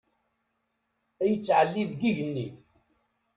Ad yettɛelli deg igenni.